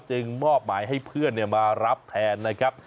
มอบหมายให้เพื่อนมารับแทนนะครับ